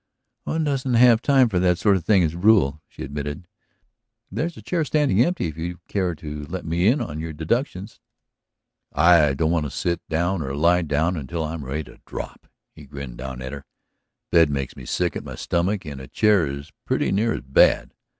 "One doesn't have time for that sort of thing as a rule," she admitted. "There's a chair standing empty if you care to let me in on your deductions." "I don't want to sit down or lie down until I'm ready to drop," he grinned down at her. "A bed makes me sick at my stomach and a chair is pretty nearly as bad.